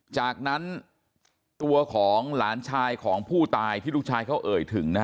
จากนั้นตัวของหลานชายของผู้ตายที่ลูกชายเขาเอ่ยถึง